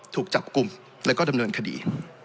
ถูกจับกลุ่มแล้วก็ดำเนินคดี